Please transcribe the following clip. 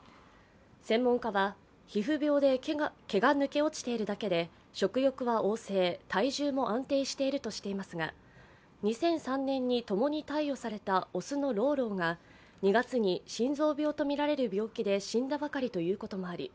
専門家は、皮膚病で毛が抜け落ちているだけで食欲は旺盛、体重も安定しているとしていますが２００３年にともに貸与された雄のローローが２月に心臓病とみられる病気で死んだばかりということもあり